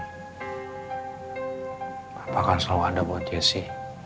papa kan selalu ada buat jessy